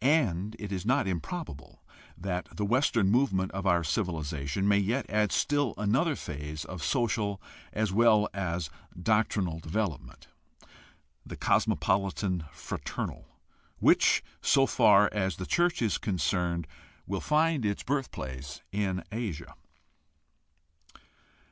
And it is not improbable that the Western movement of our civilization may yet add still another phase of social as well as doctrinal development — the cosmopolitan fraternal, which, so far as the church is concerned, will find its birthplace in Asia.